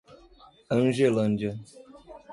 Angelândia